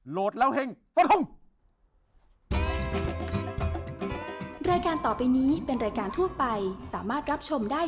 โหลดแล้วเฮ่งสวัสดีครับ